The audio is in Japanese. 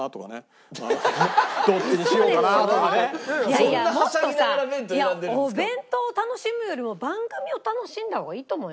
いやいやもっとさお弁当を楽しむよりも番組を楽しんだ方がいいと思いますよ。